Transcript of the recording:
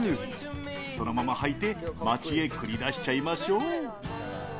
そのままはいて町へ繰り出しちゃいましょう。